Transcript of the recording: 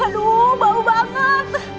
aduh bau banget